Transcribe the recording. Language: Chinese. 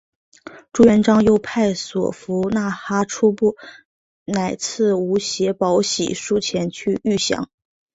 朱元璋又派所俘纳哈出部将乃剌吾携带玺书前去谕降。